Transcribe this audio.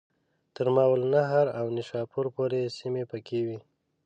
تر ماوراءالنهر او نیشاپور پوري سیمي پکښي وې.